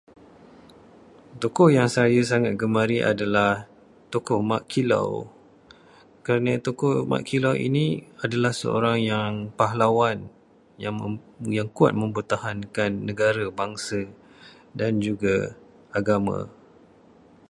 Tokoh yang saya sangat gemari ialah tokoh Mat Kilau, kerana tokoh Mat Kilau ini adalah seorang yang pahlawan, yang kuat mempertahankan negara, bangsa dan juga agama.